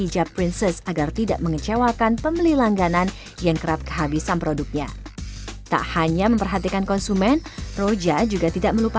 jadi jangan ganti gitu